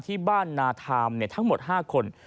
ที่บ้านนาธามทั้งหมด๕คน